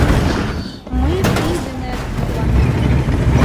Мый тый денет мутланем